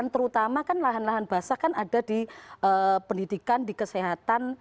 terutama kan lahan lahan basah kan ada di pendidikan di kesehatan